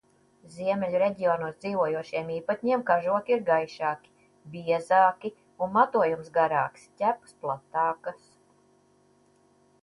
Ziemeļu reģionos dzīvojošiem īpatņiem kažoki ir gaišāki, biezāki un matojums garāks, ķepas platākas.